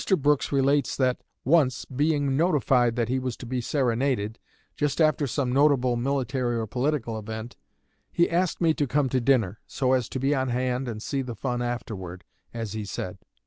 Brooks relates that "once, being notified that he was to be serenaded, just after some notable military or political event, he asked me to come to dinner, 'so as to be on hand and see the fun afterward,' as he said.